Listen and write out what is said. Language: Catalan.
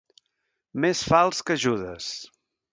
Més fals que Judes.